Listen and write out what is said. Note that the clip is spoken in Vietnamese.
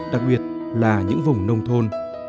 đặc biệt là những vùng nông thôn